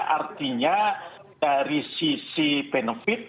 artinya dari sisi benefit